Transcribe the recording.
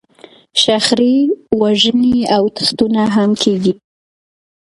شخړې، وژنې او تښتونه هم کېږي.